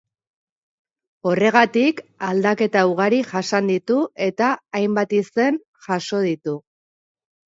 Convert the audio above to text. Horregatik aldaketa ugari jasan ditu eta hainbat izen jaso ditu.